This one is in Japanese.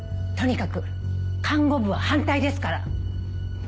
とにかく看護部は反対ですから。